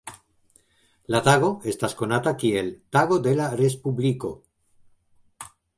La tago estas konata kiel "Tago de la Respubliko".